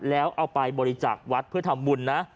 แล้วเอาไปบริจาควัดเพื่อทำบุญนะ